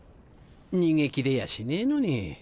逃げ切れやしねえのに。